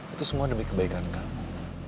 itu semua demi kebaikan kami